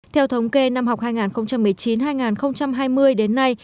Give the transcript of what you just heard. theo thống kê năm học hai nghìn một mươi chín hai nghìn hai mươi đến nay